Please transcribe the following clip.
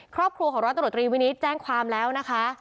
ครอบครัวของร้อยตำรวจตรีวินิตแจ้งความแล้วนะคะ